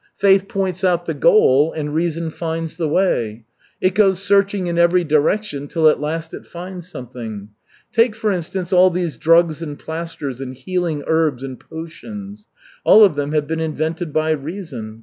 Faith points out the goal, and reason finds the way. It goes searching in every direction till at last it finds something. Take, for instance, all these drugs and plasters and healing herbs and potions all of them have been invented by reason.